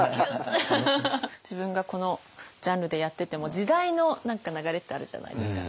自分がこのジャンルでやってても時代の流れってあるじゃないですか。